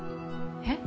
え？